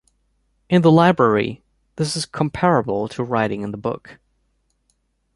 In the library, this is comparable to writing in the book.